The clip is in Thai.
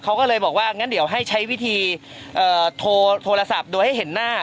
เขาก็เลยบอกว่างั้นเดี๋ยวให้ใช้วิธีโทรศัพท์โดยให้เห็นหน้า